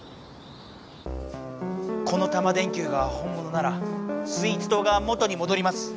このタマ電Ｑがほんものならスイーツ島が元にもどります。